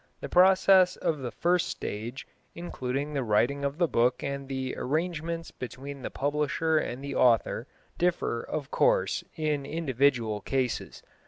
The processes of the first stage, including the writing of the book and the arrangements between the publisher and the author, differ, of course, in individual cases.